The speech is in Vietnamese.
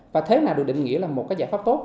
và thế nào được định nghĩa là một cái giải pháp tốt